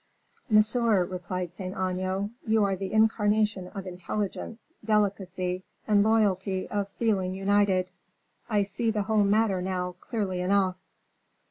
"Monsieur," replied Saint Aignan, "you are the incarnation of intelligence, delicacy, and loyalty of feeling united. I see the whole matter now clearly enough."